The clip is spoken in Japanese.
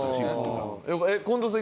近藤さん